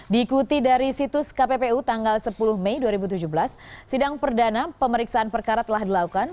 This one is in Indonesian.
diikuti dari situs kppu tanggal sepuluh mei dua ribu tujuh belas sidang perdana pemeriksaan perkara telah dilakukan